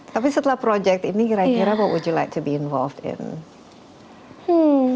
tapi setelah project ini kira kira apa yang kamu inginkan untuk terlibat dalam